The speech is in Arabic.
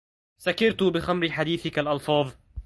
سكرت بخمر حديثك الألفاظ